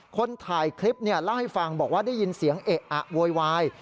คนถ่ายคลิปเล่าให้ฟังบอกว่าได้ยินเสียงเอะอะโวยวาย